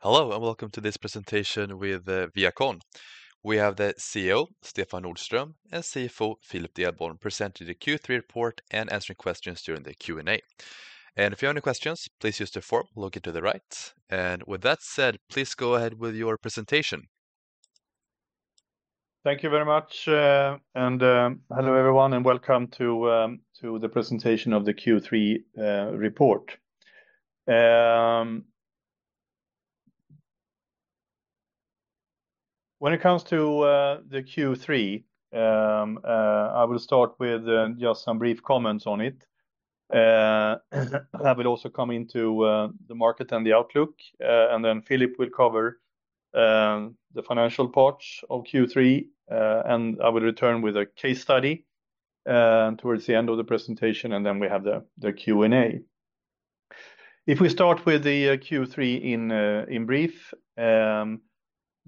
Hello, and welcome to this presentation with ViaCon. We have the CEO, Stefan Nordström, and CFO, Philip Delborn, presenting the Q3 report and answering questions during the Q&A. And if you have any questions, please use the form located to the right. And with that said, please go ahead with your presentation. Thank you very much. And hello, everyone, and welcome to the presentation of the Q3 report. When it comes to the Q3, I will start with just some brief comments on it. I will also come into the market and the outlook, and then Philip will cover the financial parts of Q3. And I will return with a case study towards the end of the presentation, and then we have the Q&A. If we start with the Q3 in brief,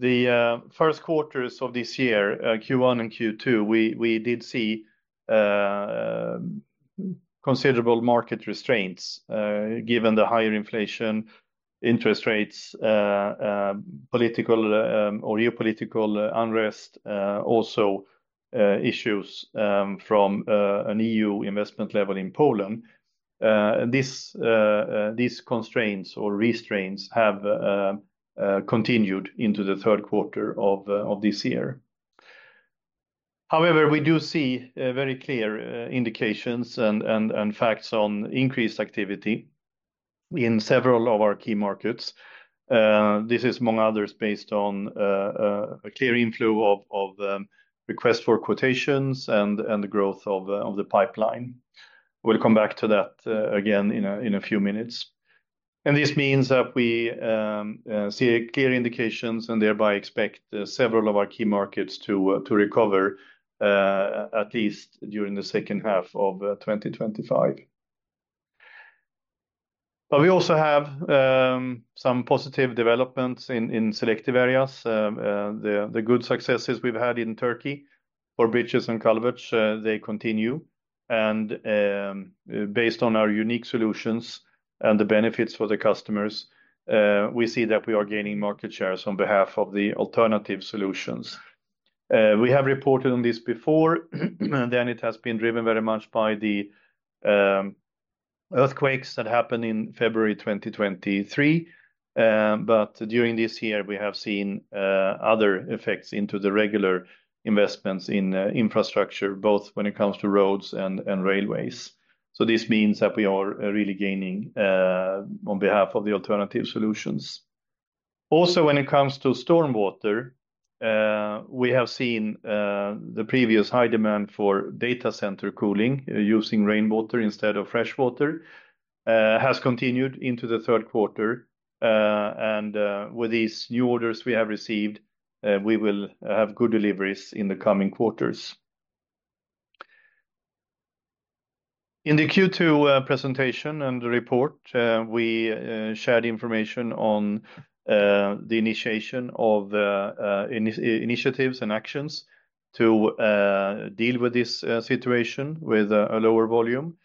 the first quarters of this year, Q1 and Q2, we did see considerable market restraints given the higher inflation, interest rates, political or geopolitical unrest, also issues from an EU investment level in Poland. These constraints or restraints have continued into the third quarter of this year. However, we do see very clear indications and facts on increased activity in several of our key markets. This is, among others, based on a clear inflow of requests for quotations and the growth of the pipeline. We'll come back to that again in a few minutes, and this means that we see clear indications and thereby expect several of our key markets to recover, at least during the second half of 2025. But we also have some positive developments in selective areas. The good successes we've had in Turkey for Bridges and Culverts, they continue, and based on our unique solutions and the benefits for the customers, we see that we are gaining market shares on behalf of the alternative solutions. We have reported on this before, and then it has been driven very much by the earthquakes that happened in February 2023, but during this year, we have seen other effects into the regular investments in infrastructure, both when it comes to roads and railways. This means that we are really gaining on behalf of the alternative solutions. Also, when it comes to stormwater, we have seen the previous high demand for data center cooling using rainwater instead of freshwater, has continued into the third quarter. With these new orders we have received, we will have good deliveries in the coming quarters. In the Q2 presentation and report, we shared information on the initiation of initiatives and actions to deal with this situation with a lower volume.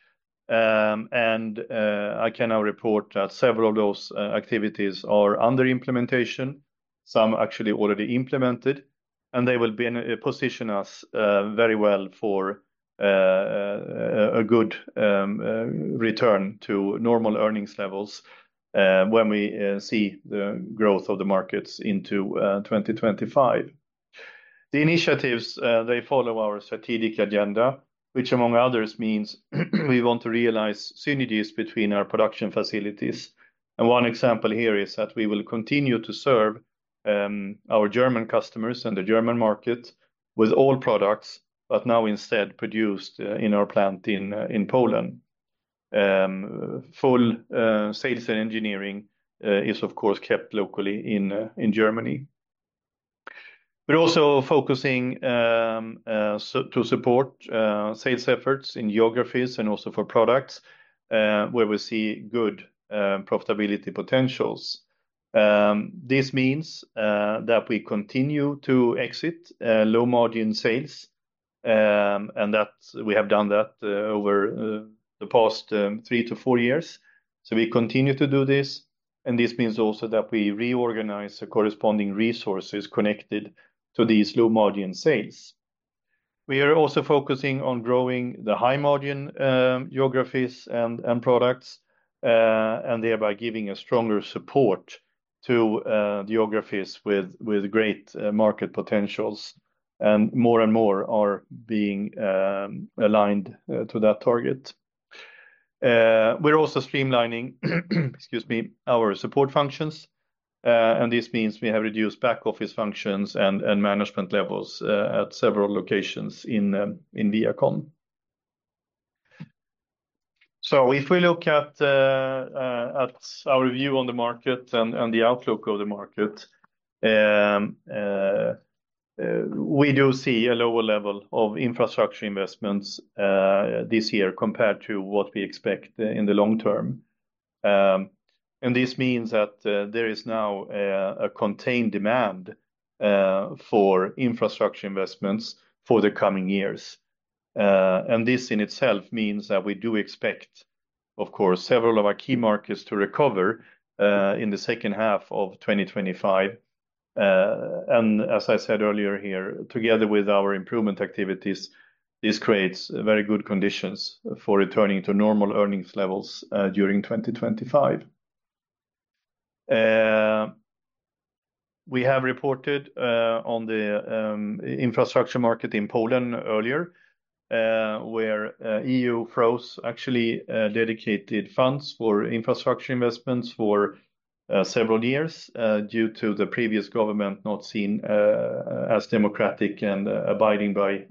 I can now report that several of those activities are under implementation, some actually already implemented, and they will position us very well for a good return to normal earnings levels when we see the growth of the markets into 2025. The initiatives, they follow our strategic agenda, which, among others, means we want to realize synergies between our production facilities. And one example here is that we will continue to serve our German customers and the German market with all products, but now instead produced in our plant in Poland. Full sales and engineering is, of course, kept locally in Germany. We're also focusing to support sales efforts in geographies and also for products where we see good profitability potentials. This means that we continue to exit low margin sales, and that we have done that over the past three to four years. So we continue to do this. And this means also that we reorganize the corresponding resources connected to these low margin sales. We are also focusing on growing the high margin geographies and products, and thereby giving a stronger support to geographies with great market potentials. And more and more are being aligned to that target. We're also streamlining, excuse me, our support functions. And this means we have reduced back office functions and management levels at several locations in ViaCon. So if we look at our view on the market and the outlook of the market, we do see a lower level of infrastructure investments this year compared to what we expect in the long term. And this means that there is now a contained demand for infrastructure investments for the coming years. And this in itself means that we do expect, of course, several of our key markets to recover in the second half of 2025. And as I said earlier here, together with our improvement activities, this creates very good conditions for returning to normal earnings levels during 2025. We have reported on the infrastructure market in Poland earlier, where the EU froze funds for infrastructure investments for several years due to the previous government not being seen as democratic and abiding by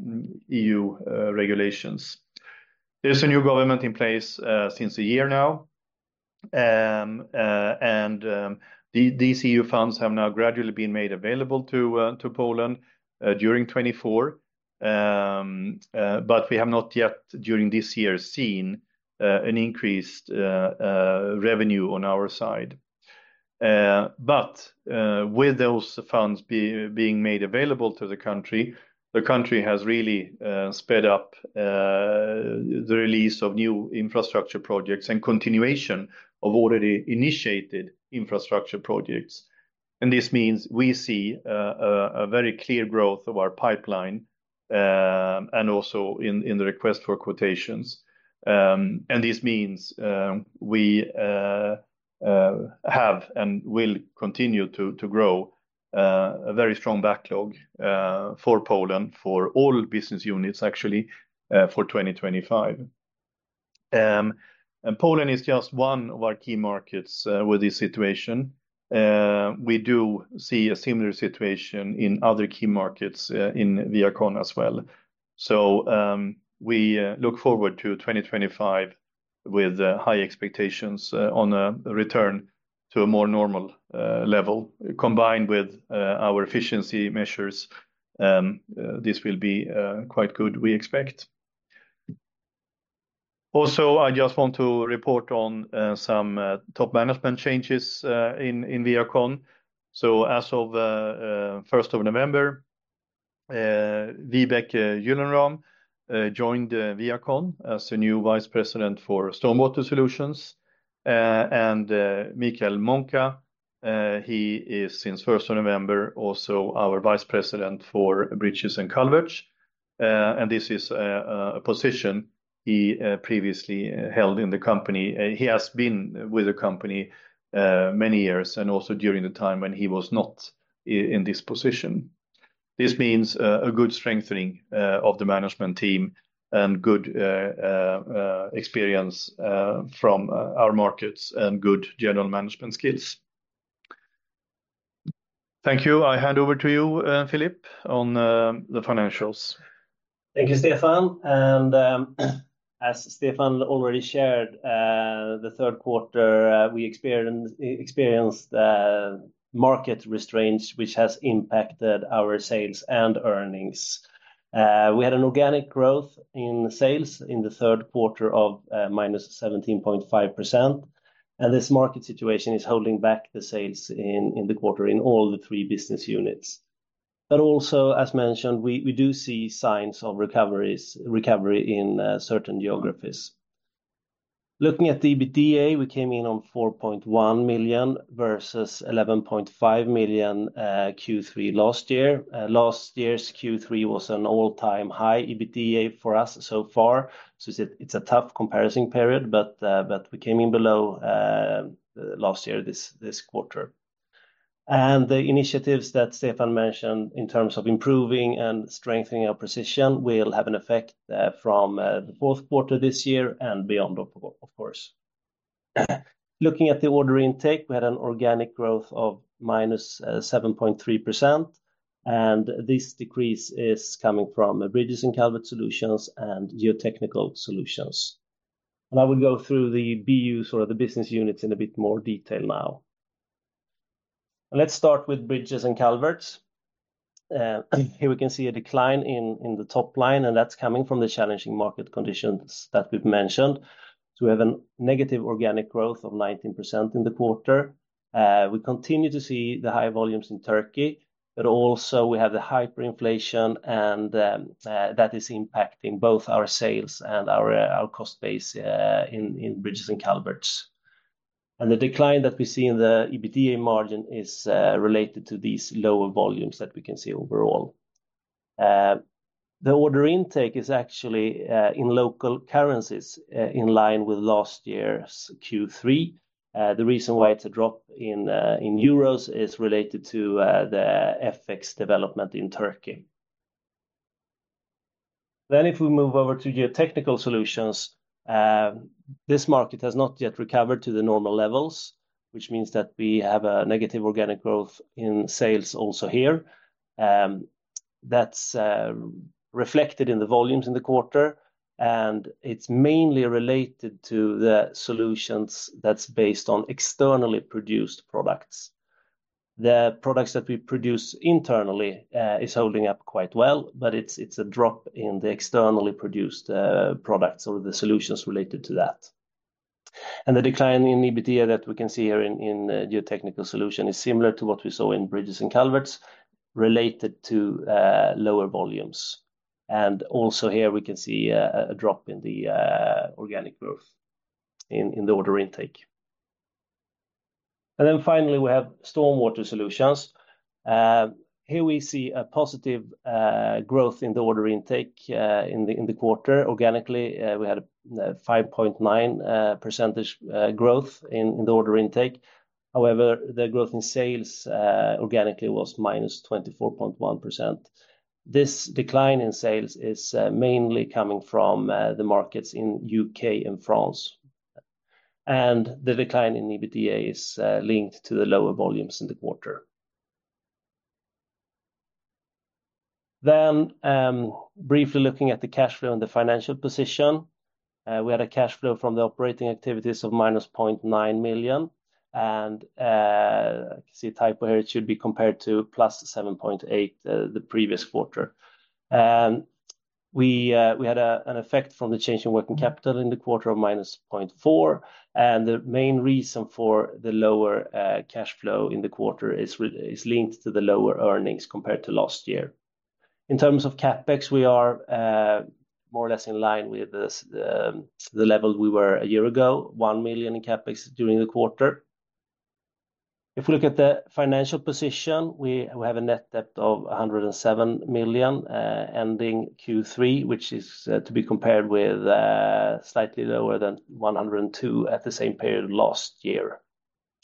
EU regulations. There's a new government in place for a year now. These EU funds have now gradually been made available to Poland during 2024. We have not yet during this year seen an increased revenue on our side. With those funds being made available to the country, the country has really sped up the release of new infrastructure projects and continuation of already initiated infrastructure projects. This means we see a very clear growth of our pipeline and also in the request for quotations. This means we have and will continue to grow a very strong backlog for Poland for all business units, actually, for 2025. Poland is just one of our key markets with this situation. We do see a similar situation in other key markets in ViaCon as well. So we look forward to 2025 with high expectations on a return to a more normal level. Combined with our efficiency measures, this will be quite good, we expect. Also, I just want to report on some top management changes in ViaCon. So as of 1st of November, Vibeke Gyllenram joined ViaCon as the new Vice President for Stormwater Solutions. And Michal Monka, he is since 1st of November also our Vice President for Bridges and Culverts. And this is a position he previously held in the company. He has been with the company many years and also during the time when he was not in this position. This means a good strengthening of the management team and good experience from our markets and good general management skills. Thank you. I hand over to you, Philip, on the financials. Thank you, Stefan. And as Stefan already shared, the third quarter, we experienced market restraints, which has impacted our sales and earnings. We had an organic growth in sales in the third quarter of -17.5%. And this market situation is holding back the sales in the quarter in all the three business units. But also, as mentioned, we do see signs of recovery in certain geographies. Looking at EBITDA, we came in on 4.1 million versus 11.5 million Q3 last year. Last year's Q3 was an all-time high EBITDA for us so far. So it's a tough comparison period, but we came in below last year this quarter. And the initiatives that Stefan mentioned in terms of improving and strengthening our position will have an effect from the fourth quarter this year and beyond, of course. Looking at the order intake, we had an organic growth of -7.3%. This decrease is coming from Bridges and Culverts Solutions and Geotechnical Solutions. I will go through the BU, sort of the business units, in a bit more detail now. Let's start with Bridges and Culverts. Here we can see a decline in the top line, and that's coming from the challenging market conditions that we've mentioned. We have a negative organic growth of 19% in the quarter. We continue to see the high volumes in Turkey, but also we have the hyperinflation, and that is impacting both our sales and our cost base in Bridges and Culverts. The decline that we see in the EBITDA margin is related to these lower volumes that we can see overall. The order intake is actually in local currencies in line with last year's Q3. The reason why it's a drop in euros is related to the FX development in Turkey. Then if we move over to Geotechnical Solutions, this market has not yet recovered to the normal levels, which means that we have a negative organic growth in sales also here. That's reflected in the volumes in the quarter, and it's mainly related to the solutions that's based on externally produced products. The products that we produce internally are holding up quite well, but it's a drop in the externally produced products or the solutions related to that. And the decline in EBITDA that we can see here in Geotechnical Solutions is similar to what we saw in Bridges and Culverts related to lower volumes. And also here we can see a drop in the organic growth in the order intake. And then finally, we have Stormwater Solutions. Here we see a positive growth in the order intake in the quarter. Organically, we had a 5.9% growth in the order intake. However, the growth in sales organically was -24.1%. This decline in sales is mainly coming from the markets in the U.K. and France, and the decline in EBITDA is linked to the lower volumes in the quarter, then briefly looking at the cash flow and the financial position, we had a cash flow from the operating activities of -0.9 million, and I can see a typo here. It should be compared to +7.8 million the previous quarter. We had an effect from the change in working capital in the quarter of -0.4 million, and the main reason for the lower cash flow in the quarter is linked to the lower earnings compared to last year. In terms of CapEx, we are more or less in line with the level we were a year ago, 1 million in CapEx during the quarter. If we look at the financial position, we have a net debt of 107 million ending Q3, which is to be compared with slightly lower than 102 million at the same period last year.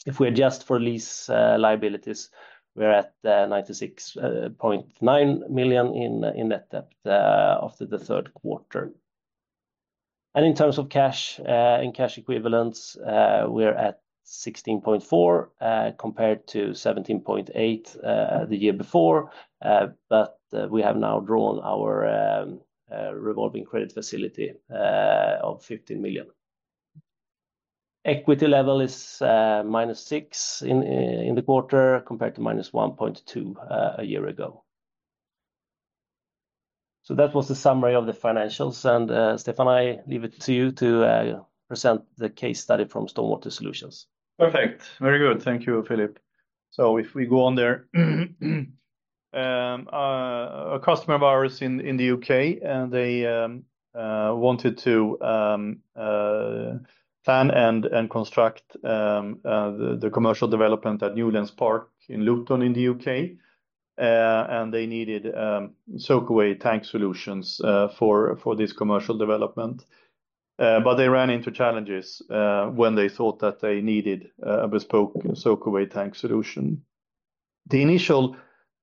If we adjust for lease liabilities, we're at 96.9 million in net debt after the third quarter. And in terms of cash and cash equivalents, we're at 16.4 million compared to 17.8 million the year before. But we have now drawn our revolving credit facility of 15 million. Equity level is -6 in the quarter compared to -1.2 a year ago. So that was the summary of the financials. And Stefan, I leave it to you to present the case study from Stormwater Solutions. Perfect. Very good. Thank you, Philip. So if we go on there, a customer of ours in the U.K., and they wanted to plan and construct the commercial development at Newlands Park in Luton in the U.K. And they needed soak-away tank solutions for this commercial development. But they ran into challenges when they thought that they needed a bespoke soak-away tank solution. The initial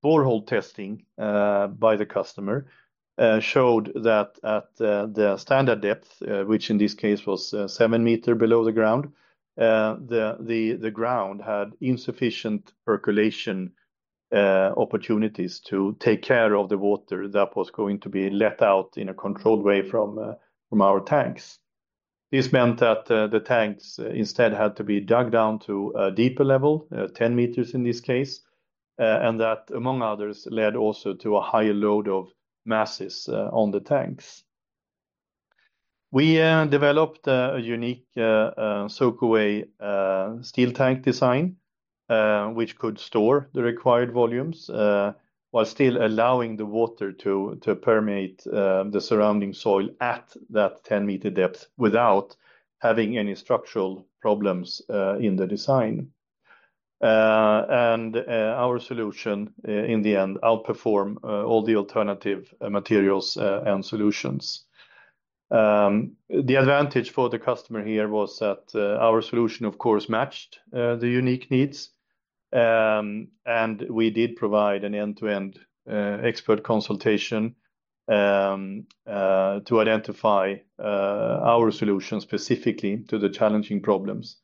borehole testing by the customer showed that at the standard depth, which in this case was seven meters below the ground, the ground had insufficient percolation opportunities to take care of the water that was going to be let out in a controlled way from our tanks. This meant that the tanks instead had to be dug down to a deeper level, 10 meters in this case, and that, among others, led also to a higher load of masses on the tanks. We developed a unique soak-away steel tank design, which could store the required volumes while still allowing the water to permeate the surrounding soil at that 10-meter depth without having any structural problems in the design. And our solution, in the end, outperformed all the alternative materials and solutions. The advantage for the customer here was that our solution, of course, matched the unique needs. And we did provide an end-to-end expert consultation to identify our solution specifically to the challenging problems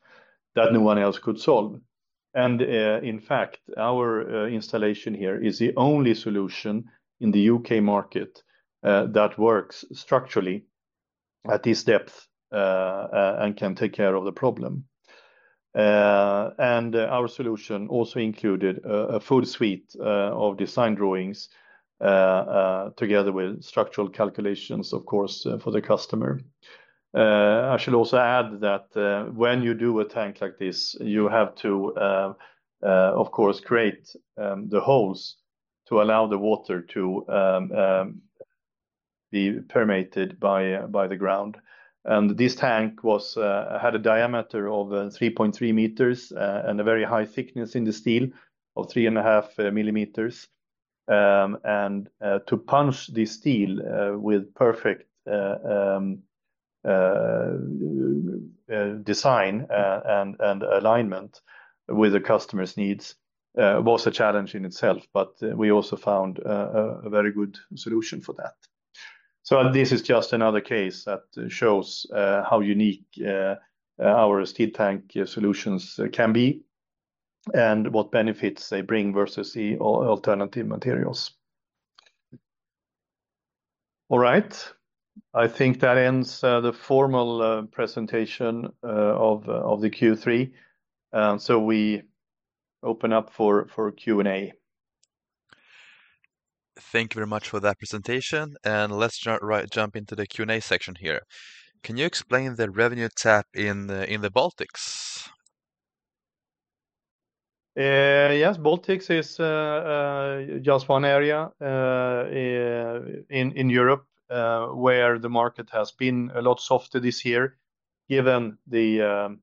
that no one else could solve. And in fact, our installation here is the only solution in the UK market that works structurally at this depth and can take care of the problem. And our solution also included a full suite of design drawings together with structural calculations, of course, for the customer. I should also add that when you do a tank like this, you have to, of course, create the holes to allow the water to permeated by the ground, and this tank had a diameter of 3.3 meters and a very high thickness in the steel of 3.5 millimeters, and to punch the steel with perfect design and alignment with the customer's needs was a challenge in itself, but we also found a very good solution for that, so this is just another case that shows how unique our steel tank solutions can be and what benefits they bring versus the alternative materials. All right. I think that ends the formal presentation of the Q3, so we open up for Q&A. Thank you very much for that presentation. And let's jump into the Q&A section here. Can you explain the revenue drop in the Baltics? Yes. Baltics is just one area in Europe where the market has been a lot softer this year, given the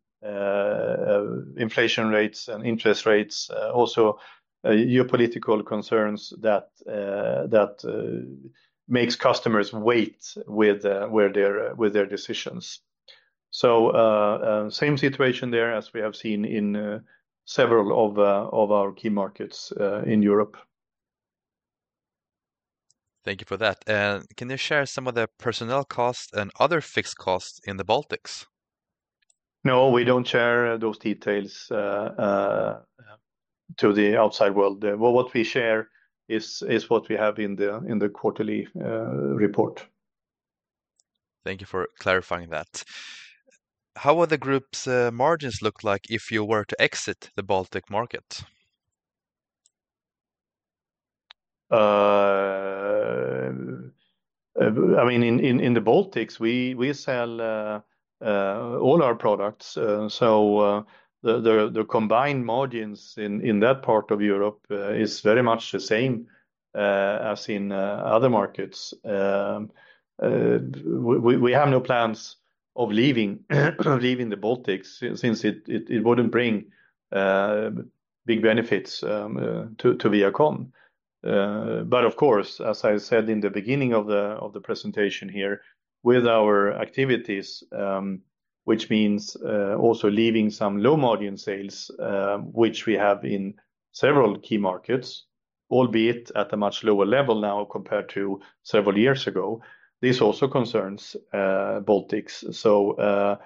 inflation rates and interest rates, also geopolitical concerns that make customers wait with their decisions. So same situation there as we have seen in several of our key markets in Europe. Thank you for that. Can you share some of the personnel costs and other fixed costs in the Baltics? No, we don't share those details to the outside world. What we share is what we have in the quarterly report. Thank you for clarifying that. How would the group's margins look like if you were to exit the Baltics market? I mean, in the Baltics, we sell all our products. So the combined margins in that part of Europe are very much the same as in other markets. We have no plans of leaving the Baltics since it wouldn't bring big benefits to ViaCon, but of course, as I said in the beginning of the presentation here, with our activities, which means also leaving some low margin sales, which we have in several key markets, albeit at a much lower level now compared to several years ago, this also concerns Baltics, so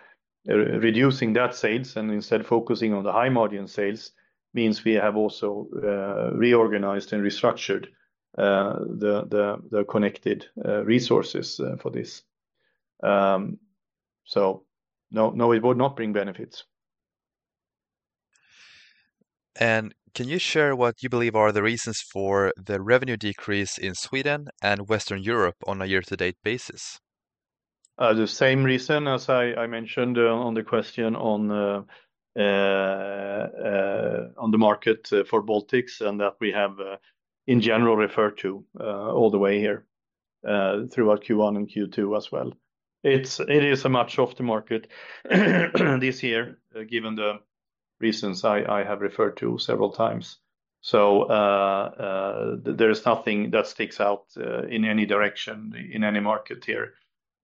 reducing that sales and instead focusing on the high margin sales means we have also reorganized and restructured the connected resources for this, so no, it would not bring benefits. Can you share what you believe are the reasons for the revenue decrease in Sweden and Western Europe on a year-to-date basis? The same reason as I mentioned on the question on the market for Baltics and that we have in general referred to all the way here throughout Q1 and Q2 as well. It is a much softer market this year, given the reasons I have referred to several times. So there is nothing that sticks out in any direction in any market here,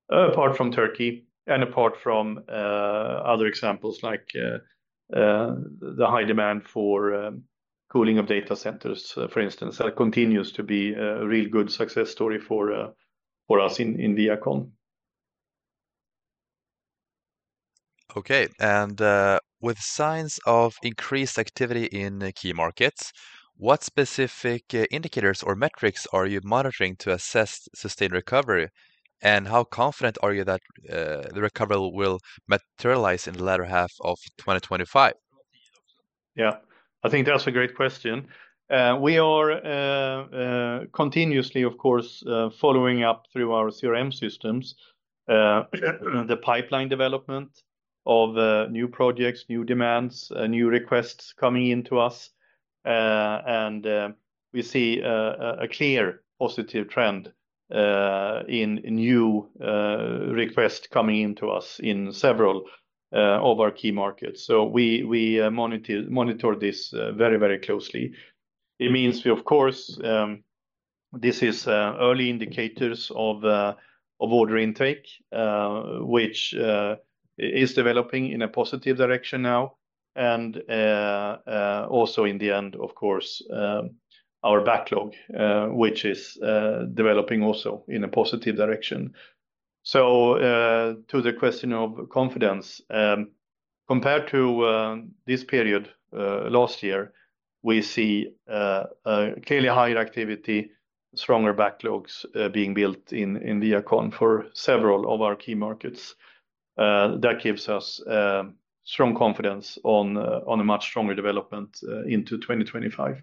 apart from Turkey and apart from other examples like the high demand for cooling of data centers, for instance, that continues to be a real good success story for us in ViaCon. Okay. And with signs of increased activity in key markets, what specific indicators or metrics are you monitoring to assess sustained recovery? And how confident are you that the recovery will materialize in the latter half of 2025? Yeah, I think that's a great question. We are continuously, of course, following up through our CRM systems, the pipeline development of new projects, new demands, new requests coming into us. And we see a clear positive trend in new requests coming into us in several of our key markets. So we monitor this very, very closely. It means we, of course, this is early indicators of order intake, which is developing in a positive direction now. And also in the end, of course, our backlog, which is developing also in a positive direction. So to the question of confidence, compared to this period last year, we see clearly higher activity, stronger backlogs being built in ViaCon for several of our key markets. That gives us strong confidence on a much stronger development into 2025.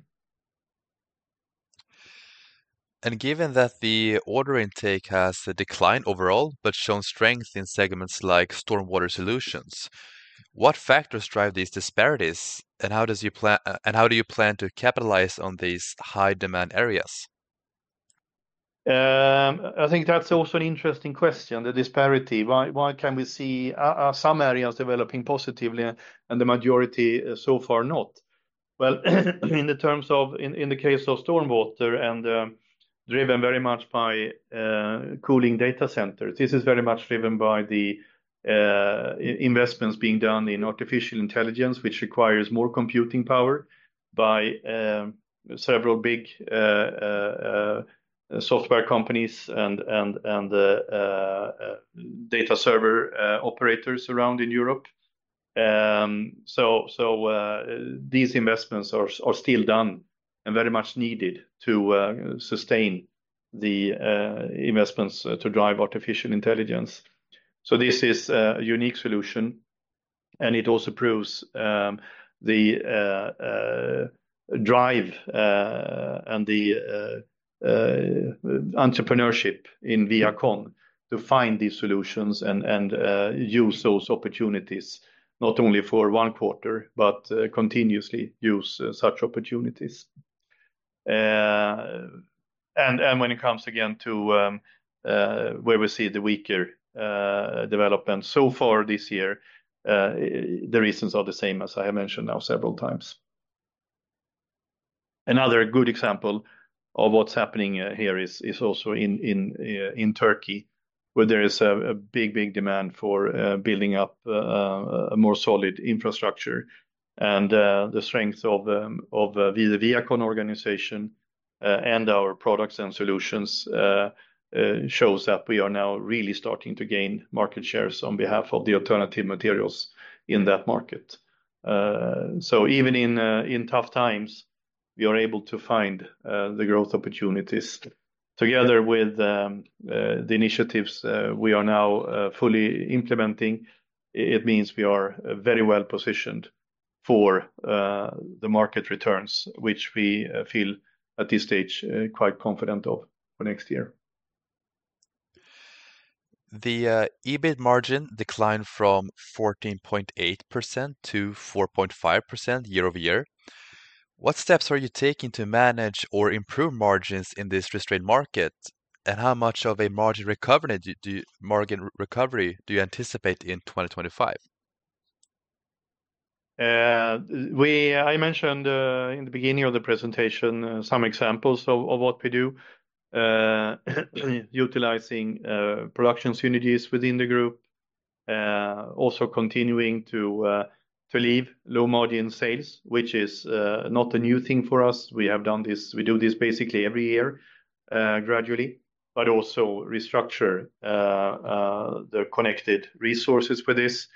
Given that the order intake has declined overall but shown strength in segments like Stormwater Solutions, what factors drive these disparities? How do you plan to capitalize on these high-demand areas? I think that's also an interesting question, the disparity. Why can we see some areas developing positively and the majority so far not? In the case of stormwater and driven very much by cooling data centers, this is very much driven by the investments being done in artificial intelligence, which requires more computing power by several big software companies and data server operators around in Europe. These investments are still done and very much needed to sustain the investments to drive artificial intelligence. This is a unique solution. It also proves the drive and the entrepreneurship in ViaCon to find these solutions and use those opportunities, not only for one quarter, but continuously use such opportunities. When it comes again to where we see the weaker development so far this year, the reasons are the same, as I have mentioned now several times. Another good example of what's happening here is also in Turkey, where there is a big, big demand for building up a more solid infrastructure, and the strength of the ViaCon organization and our products and solutions shows that we are now really starting to gain market shares on behalf of the alternative materials in that market, so even in tough times, we are able to find the growth opportunities. Together with the initiatives we are now fully implementing, it means we are very well positioned for the market returns, which we feel at this stage quite confident of for next year. The EBIT margin declined from 14.8% to 4.5% year-over-year. What steps are you taking to manage or improve margins in this restrained market? And how much of a margin recovery do you anticipate in 2025? I mentioned in the beginning of the presentation some examples of what we do, utilizing production synergies within the group, also continuing to leave low margin sales, which is not a new thing for us. We have done this. We do this basically every year gradually, but also restructure the connected resources for this.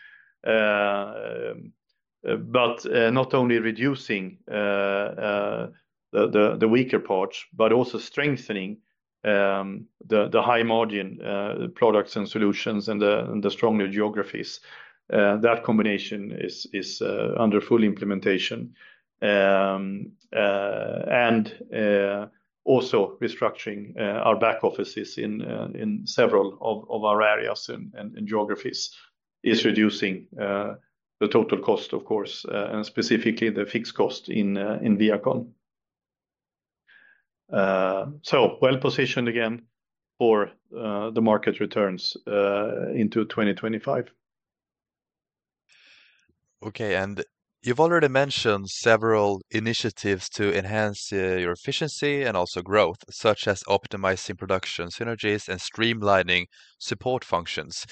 But not only reducing the weaker parts, but also strengthening the high-margin products and solutions and the stronger geographies. That combination is under full implementation. And also restructuring our back offices in several of our areas and geographies is reducing the total cost, of course, and specifically the fixed cost in ViaCon, so well positioned again for the market returns into 2025. Okay. And you've already mentioned several initiatives to enhance your efficiency and also growth, such as optimizing production synergies and streamlining support functions.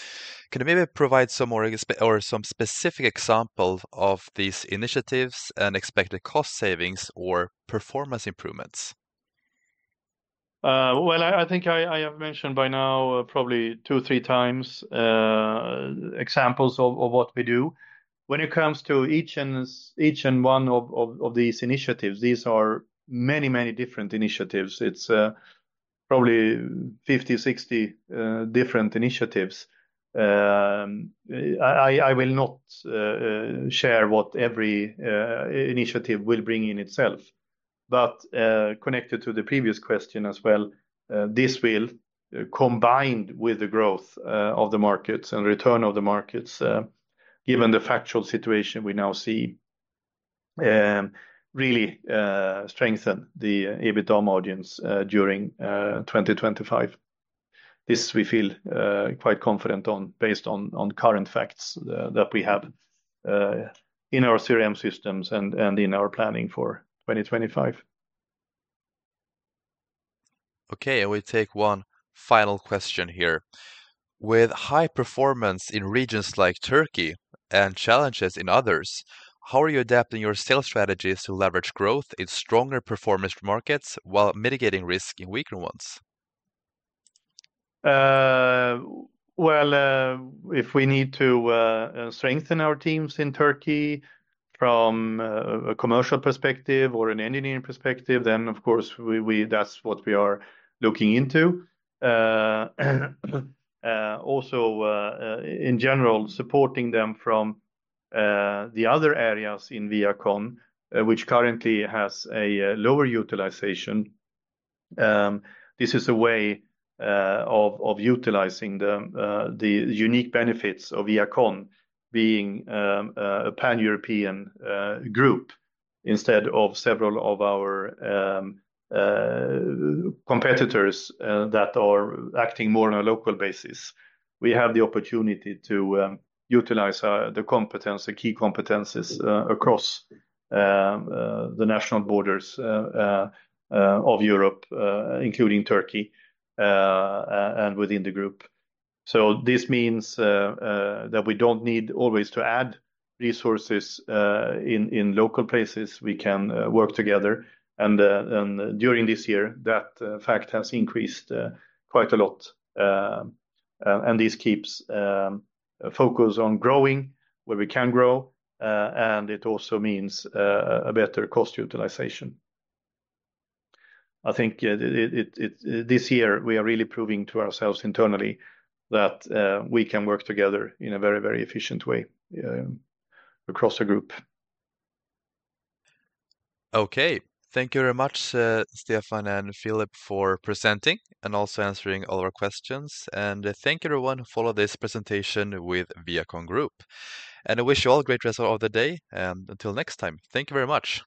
Can you maybe provide some more or some specific examples of these initiatives and expected cost savings or performance improvements? I think I have mentioned by now probably two, three times examples of what we do. When it comes to each and one of these initiatives, these are many, many different initiatives. It's probably 50, 60 different initiatives. I will not share what every initiative will bring in itself. But connected to the previous question as well, this will, combined with the growth of the markets and return of the markets, given the factual situation we now see, really strengthen the EBITDA margins during 2025. This we feel quite confident on based on current facts that we have in our CRM systems and in our planning for 2025. Okay. I will take one final question here. With high performance in regions like Turkey and challenges in others, how are you adapting your sales strategies to leverage growth in stronger performance markets while mitigating risk in weaker ones? If we need to strengthen our teams in Turkey from a commercial perspective or an engineering perspective, then of course, that's what we are looking into. Also, in general, supporting them from the other areas in ViaCon, which currently has a lower utilization. This is a way of utilizing the unique benefits of ViaCon being a pan-European group instead of several of our competitors that are acting more on a local basis. We have the opportunity to utilize the key competencies across the national borders of Europe, including Turkey and within the group. So this means that we don't need always to add resources in local places. We can work together. During this year, that fact has increased quite a lot. This keeps focus on growing where we can grow. It also means a better cost utilization. I think this year we are really proving to ourselves internally that we can work together in a very, very efficient way across the group. Okay. Thank you very much, Stefan and Philip, for presenting and also answering all our questions. And thank you, everyone, who followed this presentation with ViaCon Group. And I wish you all a great rest of the day. And until next time, thank you very much.